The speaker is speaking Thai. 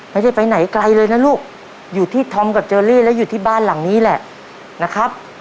ไม่ได้ไปไหนไกลเลยนะลูกอยู่ที่ธอมกับเจอรี่และอยู่ที่บ้านหลังนี้แหละนะครับ